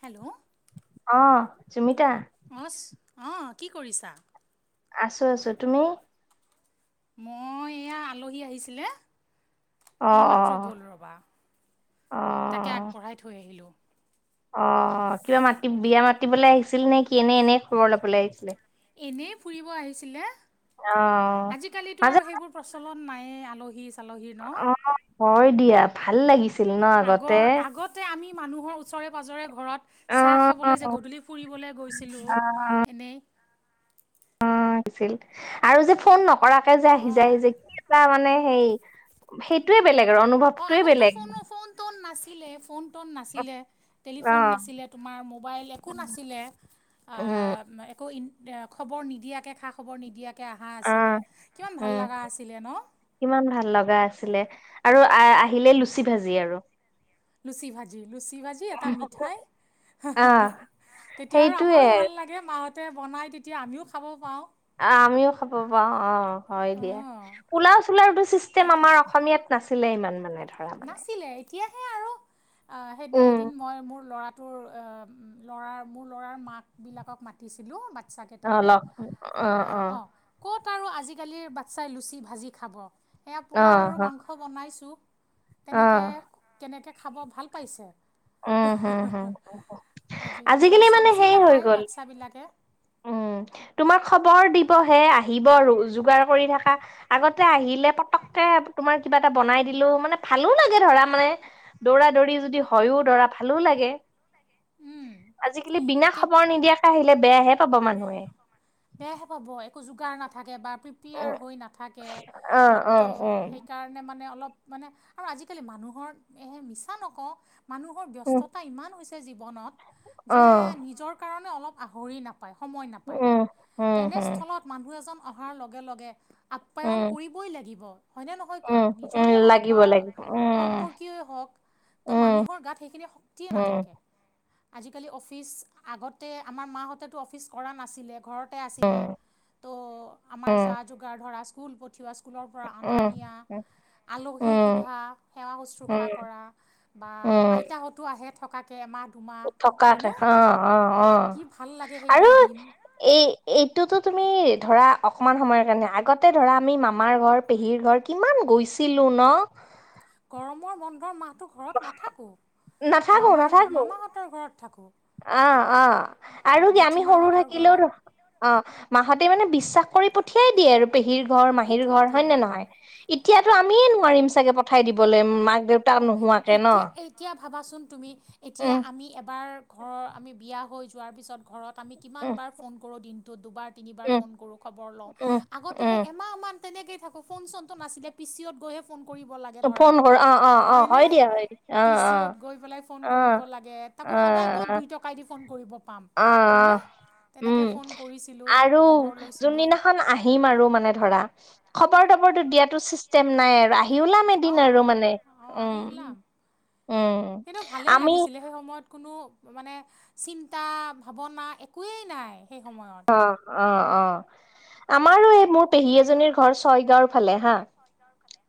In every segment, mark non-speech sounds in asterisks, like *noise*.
Hello. অ সুমিতা। অচ অ কি কৰিছা? আছো আছো, তুমি? মই এয়া আলহী আহিছিলে। এইমাত্ৰ গ'ল ৰবা তাকে আগবঢ়াই থৈ আহিলোঁ। অ কিবা মাতি বিয়া মাতিবলৈ আহিছিল নে কি? এনে এনে খবৰ লবলৈ আহিছিলে? এনেই ফুৰিব আহিছিলে, আজিকালিটো আৰু সেইবোৰ প্ৰচলন নাই আলহী চালহী ন। হয় দিয়া ভাল লাগিছে। আগৰ আগতে আমি মানুহৰ ওচৰে পাজৰে ঘৰত চাহ খাবলৈ যে গধূলি ফুৰিবলৈ গৈছিলোঁ এনেই। অ হৈছিল আৰু যে ফোন নকৰাকে যে আহি যায় যে ক এটা মানে। সেই সেইটোৱে বেলেগ আৰু অনুভৱটোৱেই বেলেগ। আাছিলে ফোন টোন নাছিলে, টেলিফোন নাছিলে তোমাৰ মোবাইল একো নাছিলে। আহ একো খবৰ নিদিয়াকে খা খবৰ নিদিয়াকে। অ উম কিমান ভাল লগা আছিলে, আৰু আহ আহিলে লুচি ভাজি আৰু। লুচি ভাজি। লুচি ভাজি এটা মিঠাই, *unintelligible* তেতিয়া আৰু আমাৰো ভাল লাগে মাহঁত তে বনাই তেতিয়া আমিও খাব পাওঁ। অ আমিও খাব পাওঁ অ হয় দিয়া, পোলাও চোলাওো চিষ্টেম আমাৰ অসমীয়াত নাছিলে ইমান মানে। নাছিলে এতিয়াহে আৰু, অ সেই এদিন মই মোৰ লৰা তোৰ ল'ৰাৰ মোৰ ল'ৰাৰ মাক বিলাকক মাতিছিলো। চাগে তাকো অ অ ক'ত ত আৰু আজিকালিৰ বাচ্ছাই লুচি ভাজি খাব, এয়া পোলাও আৰু মাংস বনাইছোঁ। তেনেকে কেনেকে খাব ভাল পাইছে। *unintelligible* আজিকালি মানে হেই হৈ গল উম তোমাৰ, খবৰ। দিবহে আহিব আৰু যোগাৰ কৰি থাকে। আগতে আহিলে পতককে তোমাৰ কিবা এটা বনাই দিলো মানে ভালো লাগে ধৰা মানে দৌৰা দৌৰি যদি। ভয়ো দৰা ভালো লাগে, আজিকালি বিনা খবৰ নিদিয়াকে আহিলে বেয়া হে পাবা মানুহে। বেয়াহে পাব একো যোগাৰ নাথাকে বা প্ৰিপেয়াৰ হৈ নাথাকে, ত' সেইকাৰণে মানে অলপ মানে আৰু আজিকালি মানুহৰ এ মিছা নকওঁ মানুহৰ ব্যস্ততা ইমান হৈছে। জীৱনত যে নিজৰ কাৰণে অলপ আহৰি নাপায় সময় নাপায়। তেনেস্থলত মানুহ এজন অহাৰ লগে লগে, আপ্যায়ন কৰিবই লাগিব। হয়নে নহয় কোৱা নিজৰে হওক বা সম্পৰ্কীয়ই হওক। ত' মানুহৰ গাত সেইখিনি শক্তিয়ে নাথাকে। আজিকালি অফিচ আগতে আমাৰ মাহঁতেতো অফিচ কৰা নাছিলে ঘৰত। ঘৰ তে আছিলে ত আমাৰ জা জোগাৰ ধৰা চুৰ পঠোৱা। *unintelligible* স্কুলৰ পৰা আনা নিয়া। আলহী সোধা সেৱা শুশ্ৰূষা কৰা, বা আইতাহতো আহে। থকাকে আমাত। থকাত অ অ অ আৰু, এই। এইটোতো তুমি ধৰা অকমান সময়ৰ কাৰণে আগতে ধৰা আমি মামাৰ ঘৰ পেহীৰ ঘৰ কিমান। গৈছিলোঁ ন। গৰমৰ বন্ধৰ মা। *unintelligible* ঘৰত নাথাকোঁ, মাৰ মামাহঁতৰ ঘৰত থাকো। অ আৰু কি আমি সৰু থাকিলেও, অ মাহত। মানে বিশ্বাস কৰি পঠিয়াই দিয়ে আৰু পেহীৰ ঘৰ মাহীৰ ঘৰ হয় নে নহয়। এতিয়া- টো আমিয়ে নোৱাৰিম চাগে পঠাই দিবলৈ মাক দেউতা নোহোৱাকে- এতিয়া এতিয়া ভাবাচোন তুমি এতিয়া আমি এবাৰ- আমাৰ ঘৰৰ আমি বিয়া হৈ যোৱাৰ পিছত ঘৰত আমি কিমান বাৰ ফোন কৰোঁ দিনটোত দুবাৰ- তিনিবাৰ ফোন কৰো খবৰ লওঁ। আগতে সেই এমাহ মান- তেনেক থাকো ফোন চোনটো নাছিলে পিচিওত গৈহে ফোন কৰিব লাগে ধৰা। হয় নে পিছিওত গৈ পেলাই ফোন কৰিব লাগে তাকো সদায় ক'ত দুই টকা দি ফোন- পাম হয়নে। উম আৰু যোনদিনাখন আহিম আৰু মানে ধৰা- খবৰ তবৰটো দিয়াতো চিষ্টেম নাই আৰু- আহি ওলাম এদিন আৰু মানে উম উম আমি- কোনো মানে চিন্তা ভাৱনা একোৱেই নাই সেই সময়ত। অঁ অঁ আমাৰো এই মোৰ পেহী এজনীৰ ঘৰ ছয়গাঁওৰ ফালে হা-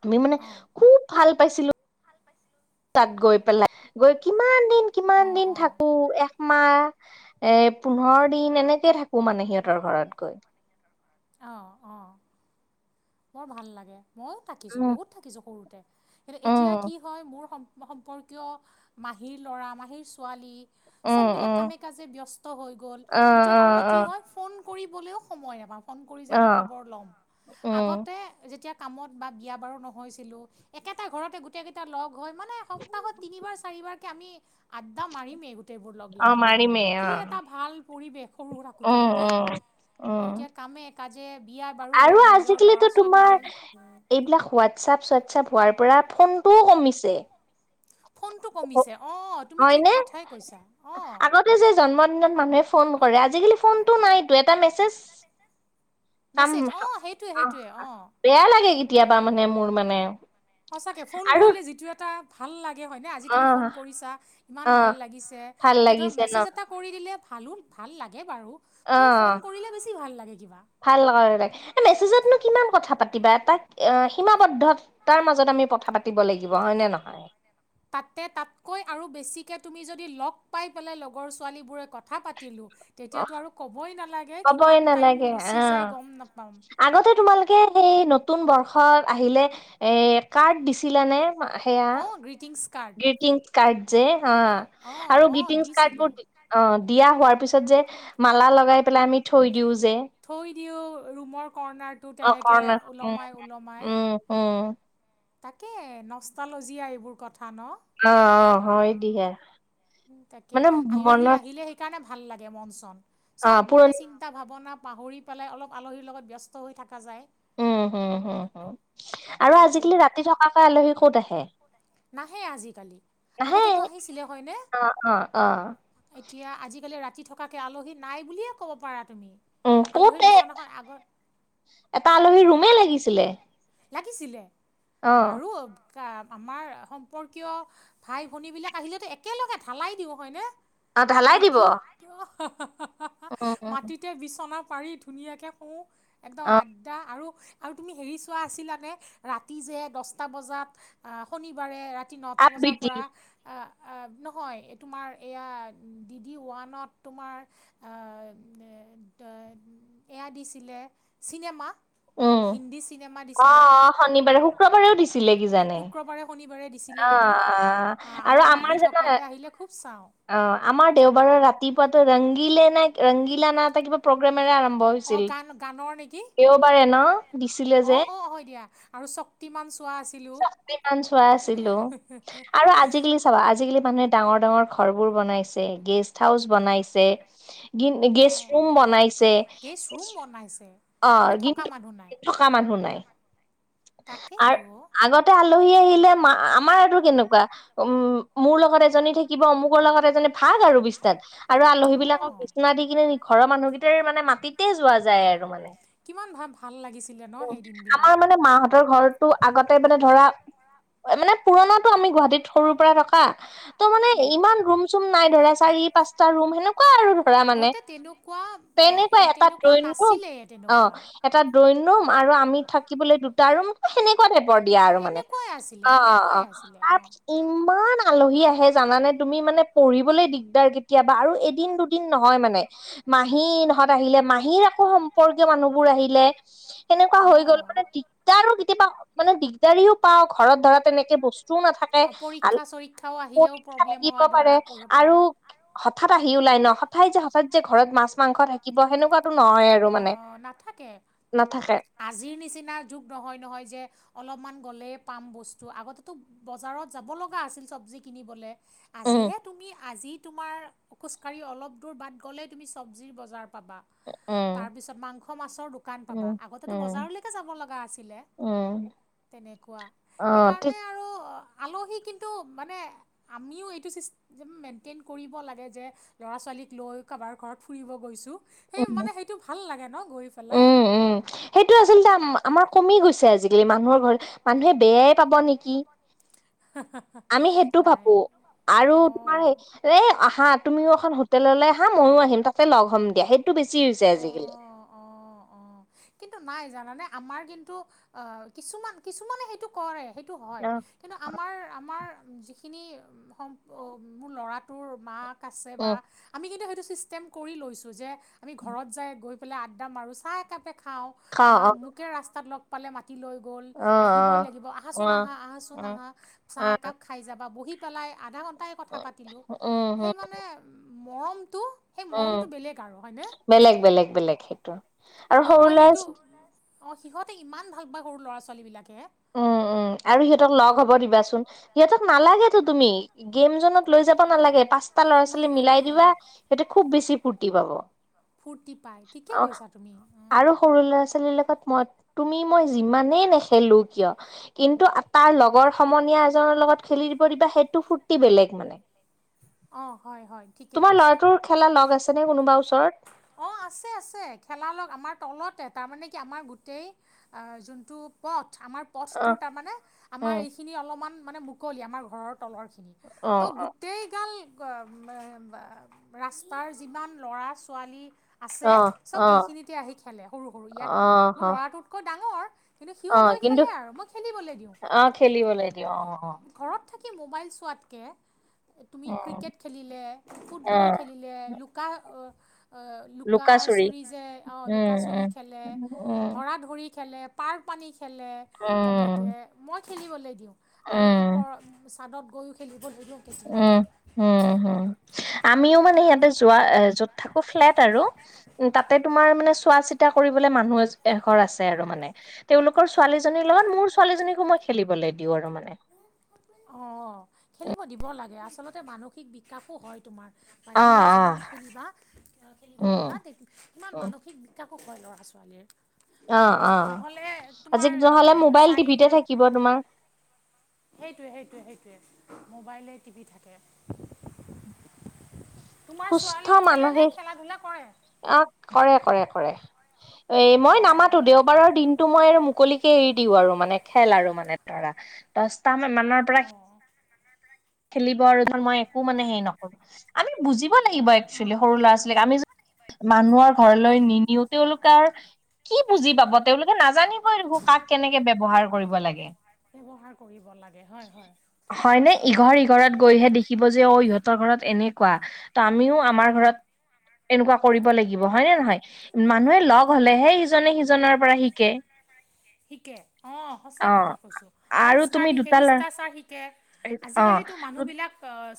আমি মানে খুব ভাল পাইছিলো- তাত গৈ পেলাই। গৈ কিমান দিন কিমান দিন থাকো এক- মাহ এ পোন্ধৰ দিন এনেকে থাকো মানে সিহঁতৰ ঘৰত গৈ। অঁ অঁ। বৰ ভাল লাগে মইও থাকিছো বহুত থাকিছো সৰুতে। কিন্তু এতিয়া কি হয় মোৰ- সম্পৰ্কীয় মাহীৰ ল'ৰা মাহীৰ ছোৱালী- চব বিলাক কামে কাজে ব্যস্ত হৈ গ'ল এতিয়া তাৰমানে কি হয় ফোন- কৰিবলৈও সময় নাপাওঁ ফোন কৰি যে এটা খবৰ লম। আগতে যেতিয়া- কামত বা বিয়া বাৰু নহৈছিলো একেটা ঘৰতে গোটেই কেইটা লগ- হৈ মানে এসপ্তাহত তিনিবাৰ চাৰিবাৰকে আমি- আড্ডা মাৰিমেই গোটেইবোৰ লগ লাগি। কি এটা ভাল পৰিৱেশ। উম উম উম। কাজে বিয়া বাৰু হ'ল নিজৰ- তোমাৰ এইবিলাক হোৱাটচাপ- *unintelligible* চোৱাটআপ হোৱাৰ পৰা ফোনটোও কমিছে। ফোন- হয়নে আগতে যে জন্মদিনত মানুহে ফোন কৰে আজি- কালি ফোনটো নাই এটা মেছেজ- মেছেজ- চাম বেয়া লাগে কেতিয়াবা মানে মোৰ মানে। সচাকে ফোন কৰিলে যিটো এটা- তাকে হয়নে আজি তুমি ফোন কৰিছা ইমান ভাল লাগিছে এতিয়া ধৰা মেছেজ এটা কৰি দিলে ভালোঁ- *unintelligible* অঁ ভাল লগে তাকে মেছেজতনো কিমান কথা পাত *unintelligible* পাতিবা তাক সীমাবদ্ধতাৰ মাজত আমি কথা পাতিব লাগিব হয় নে নহয়। তাতে তাতকৈ আৰু বেছিকে তুমি যদি লগ পাই পেলাই লগৰ ছোৱালীবোৰে কথা পাতিলোঁ। তেতিয়াটো আৰু ক'বই নালাগে। ক'বই নালাগে অঁ আগতে তোমালোকে সেই নতুন বৰ্ষ- আহিলে এ কাৰ্ড দিছিলা নে সেয়া। গিটিং- কাৰ্ড যে অঁ আৰু গ্ৰিটিং কাৰ্ডবোৰ আঁহ - দিয়া হোৱাৰ পিছত যে মালা লগায় পেলাই আমি থৈ দিও। থৈ দিও ৰুমৰ কৰ্ণাৰটো তেনেকে ওলমাই ওলমাই। তাকে নষ্ট্তালজিয়া এইবোৰ কথা ন। অঁ অঁ হয় *unintelligible* তাকে আলহী আহিলে সেইকাৰণে ভাল লাগে মন চন। চব মানে চিন্তা ভাৱনা পাহৰি পেলাই অলপ আলহীৰ লগত ব্যস্ত হৈ থকা যায়। উম হম হম হম আৰু আজিকালি ৰাতি থকাকৈ আলহী ক'ত আহে। নাহে আজিকালি আগতেতো আহিছিলে হয়নে। এতিয়া আজিকালি ৰাতি থকাকে আলহী নাই বুলিয়ে কব পাৰা উম কতে এটা আলহী ৰুমে লাগিছিলে লাগিছিলে আৰু আমাৰ সম্পৰ্কীয় ভাই ভনীবিলাক আহিলেতো একেলগে ঢালাই দিওঁ হয়নে এ কি বাই মাটিতে বিচনা পাৰি ধুনীয়াকে শু একদম আড্ডা আৰু, আৰু তুমি হেৰি কোৱা আছিল তাতে ৰাতি যে দহটা বজাত শনিবাৰে ৰাতি নটা বজাৰ পৰা আহ আহ তোমাৰ এয়া ডি ডি ওৱানত তোমাৰ এয়া দিছিলে চিনেমা হিন্দী অহঁ, শনিবাৰে শুক্ৰবাৰেও দিছিলে কিজানি অহঁ অহঁ আমাৰ মাহী থকাকে আহিলে খুব চাওঁ। অ আমাৰ দেওবাৰৰ ৰাতিপুৱাতো ৰংগিলে নাই গিলানা এটা কিবা প্ৰগ্ৰেমৰে আৰম্ভ হৈছিল দেওবাৰে নহঁ অহঁ অহঁ হয় দিয়া আৰু চক্তি মান চোৱা আছিলোঁ। আৰু আজিকালি চাবা আজিকালি মানুহে ডাঙৰ ডাঙৰ ঘৰবোৰ বনাইছে গেষ্ট হাউচ বনাইছে গেষ্ট ৰুম বনাইছে অ কিন্তু থকা মানুহ নাই। তাকেইতো আগতে আলহী আহিলে মা আমাৰ এইটো কেনেকুৱা উম মোৰ লগত। এজনী থাকিব অমুকৰ লগত এজনী ভাগ আৰু বিসাত আৰু আলহী বিলাকক বিচনা দি কিনে ঘৰৰ মানুহকেইটাৰ মানে মাটিতে যোৱা যায় আৰু মানে। কিমান ভাল লাগিছিলে নহঁ সেই দিনবিলাক ঘৰটো আগতে মানে ধৰা মানে পুৰণাতো আমি গুৱাহাটীত সৰুৰ পৰা থকা তহ মানে ইমান ৰুম চুম নাই ধৰা চাৰি পাঁচটা ৰুম সেনেকুৱা আৰু ধৰা মানে তেনেকুৱা এটা ড্ৰয়িং ৰুম অহঁ এটা ড্ৰয়িং ৰুম আৰু আমি থাকিবলৈ দুটা ৰুম সেনেকুৱা টাইপৰ দিয়া আৰু মানে অ অ অ তাত ইমান আলহী আহে জানানে তুমি মানে পঢ়িবলৈ দিগদাৰ কেতিয়াবা আৰু এদিন দুদিন নহয় মানে মাহী হত আহিলে মাহীৰ আকৌ সম্পৰ্কীয় মানুহবোৰ আহিলে সেনেকুৱা হৈ গ'ল মানে দিগদাৰো কেতিয়াবা মানে দিগদাৰিও পাওঁ ঘৰত ধৰা তেনেকে বস্তুও নাথাকে পুথাও আহিলেও দিব পাৰে আৰু হঠাৎ আহি ন সদায় যে হঠাৎ যে ঘৰত মাছ মাংস থাকিব সেনেকুৱাতো নহয় আৰু মানে আজিৰ নিচিনা। যুগ নহয় নহয় যে অলপমান গ'লে পাম বস্তু আগতেটো বজাৰত যাব লগা আছিল চব। কিনিবলে। আজিহে তুমি আজি তোমাৰ খোজ কাঢ়ি অলপ দূৰ বাদ গ'লেই তুমি চব্জিৰ বজাৰ। পাবা। তাৰ পিছত মাংস মাছৰ দোকান পাবা আগতেতো বজাৰলৈকে যাব লগা আছিলে-। - তেনেকুৱা সেইকাৰণে আৰু। আলহী কিন্তু মানে আমিও এইটো চিচটেম মেইনটেইন কৰিব লাগে যে। ল'ৰা ছোৱালীক লৈ কাৰোবাৰ ঘৰত ফুৰিব গৈছো সেই মানে সেইটো ভাল লাগে। উম উম সেইটো আচলতে আমাৰ কমি গৈছে আজিকালি মানুহৰ ঘৰত মানুহে। পাব নেকি আমি সেইটো ভাবোঁ। আৰু তোমাৰ হেই এ আহা তুমিও এখন হোটেললৈ আহা মইও আহিম তাতে লগ হ'ম দিয়া সেই। টো বেছি হৈছে আজিকালি। জানানে আমাৰ কিন্তু অ কিছুমান কিছুমানে সেইটো কৰেই। সেটো হয় কিন্তু আমাৰ আমাৰ। যিখিনি মোৰ ল'ৰাটোৰ মাক আছে বা আমি কিন্তু। এইটো চিষ্টেম কৰি লৈছো যে আমি ঘৰত যাই গৈ পেলাই আড্ডা মাৰো চাহ একাপে। খাওঁ বা মোকে ৰাস্তাত লগ মাতি লৈ গল আহিবই লাগিব। আহাচোন আহা আহাচোন আহা চাহ একাপ খাই যাবা বহি পেলাই আধা ঘণ্টা। কথা পাতিলো সেই মানে মৰ। উম বেলেগ বেলেগ বেলেগ সেইটো আৰু সৰু ল'ৰা ছোৱালী। অ সিহঁতে ইমান ভাল পাই সৰু ল'ৰা ছোৱালী বিলাকে। উম উম আৰু সিহঁতক লগ হ'ব দিবাচোন সিহঁতক নালাগে তুমি গেম জত লৈ যাব। নালাগে পাঁচটা ল'ৰা ছোৱালী মিলাই দিবা সিহঁতে খুব বেছি ফূৰ্তি পাব। পাই ঠিকে কৈছা তুমি উম। মই তুমি মই যিমানে নেখেলো কিয় কিন্তু তাৰ লগৰ। সমনীয়া এজনৰ লগত খেলিব দিব দিবা সেইটো ফূৰ্তি বেলেগ মানে। তোমাৰ ল'ৰাটোৰ খেলা লগ আছে নে কোনোবা ওচৰত। অ আছে আছে খেলাৰ লগ আমাৰ তলত। তাৰমানে কি আমাৰ গোটেই যোনটো পথ আমাৰ পথটোৰ তাৰমানে আমাৰ এইন। অলপমান মানে মুকলি আমাৰ ঘৰৰ তলৰখিনি তো গোটেই গাল। ৰাস্তাৰ যিমান ল'ৰা ছোৱালী। আছে চব এইখিনিতে আহি খেলে সৰু সৰু ইয়াত মোৰ ল'ৰাটোতকৈ ডাঙৰ। কিন্তু সিও গৈ খেলে আৰু মই খেলিবলৈ দিওঁ। খেলিবলৈ দিয় অ। মোবাইল চোৱাতকে। তুমি ক্ৰিকেট খেলিলে ফুটবল খেলিলে লুকা। লুকা চুৰি যে অঁ লুকাচুৰি খেলে ধৰা ধৰি। খে পাৰ পানী খেলে তেনেকে মই খেলিব লাগ। দিওঁ আৰু ওপৰত চাদত গৈয়ো খেলোঁ। উম উমম আমিও মানে ইয়াতে যোৱা এ য'ত থাকো ফ্লেট আৰু। উ তাতে তোমাৰ মানে। চোৱা চিতা কৰিবলে মানুহ এঘৰ আছে আৰু মানে তেওঁওলোকৰ ছোৱালীজনীৰ লগত মোৰ ছোৱালীজনীকো মই। খেলিবলৈ দিওঁ আৰু মানে। অ খেলিব দিব লাগে আচলতে মানসিক বিকাশো হয় তোমাৰ। বাহিৰা যিমান খেলিবা খেলিব দিবা তে সিমান মানসিক বিকাশ। শু ল'ৰা ছোৱালীৰ। অ অ আজি যহ'লে মোবাইল টিভিতে থাকিব তোমাৰ। সেইটোৱে সেইটোৱে সেইটোৱে মোবাইলে টিপি থাকে। *unintelligible* সুস্থ মানুসিক আহ কৰে কৰে কৰে। এ মই নামাতো দেওবাৰৰ দিনতটো মই আৰু মুকলিকে এৰি দিও আৰু মানে খেল আৰু মানে ধৰা দচটা মানৰ পৰা খেলিব আৰু ধৰ মই একো মানে হেৰি নকৰো আমি বুজিব লাগিব এক্চুৱেলি সৰু ল'ৰা ছোৱালীক আমি মানুহৰ ঘৰলৈ নি নিও তেওঁলোকৰ কি বুজি পাব তেওঁলোকে নাজানিবই দেখো কাক কেনেকে ব্যৱহাৰ কৰিব লাগে? ব্যবহাৰ কৰিব লাগে হয় হয় ঠিকে কৈছা ঘৰত গৈহে দেখিব যে অ ইহঁতৰ ঘৰত এনেকুৱা ত আমিও আমাৰ ঘৰত এনেকুৱা কৰিব লাগিব হয় নে নহয় মানুহে লগ হলেহে হিজনে সিজনৰ পৰা শিকে শিকে অ সঁচা কথা কৈছো সংস্কাৰ শিকে শিষ্টাচাৰ শিকে আজিকালিতো মানুহবিলাক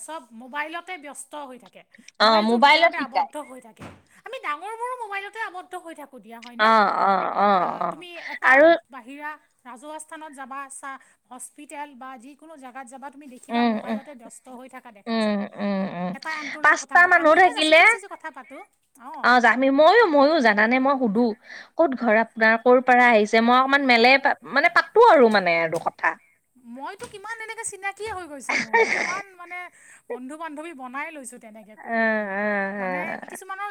চব মোবাইলতে ব্যস্ত হৈ থাকে মোবাইলটোৰ ভিতৰতে আবদ্ধ হৈ থাকে আমি ডাঙৰবোৰো মোবাইলতে আবদ্ধ হৈ থাকো। অ অ অহ অ এটা বাহিৰা ৰাজস্থানত যাবা চ হস্পিতেল বা যিকোনো জোগাত যাবা তুমি দেখিবা মোবাইলতে ব্যস্ত হৈ থকা দেখা যায়। এটা আনটো লগত কথা নাপাতে আমিহে যাচি যাচি হে কথা পাতো। অ আমি ময়ো ময়ো জানে মই সুধো ক'ত ঘৰত। অ ক'ৰ পৰা আহিছে মই অকমান মেলে মানে পাতো আৰু মানে আৰু মইতো কিমান এনেকে চিনাকি হৈ গৈছে মোৰ কিমান মানে বন্ধু বান্ধৱী বনাই লৈছো তেনেকে কৰি কৰি মানে কিছুমানৰ